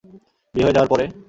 বিয়ে হয়ে যাওয়ার পরে?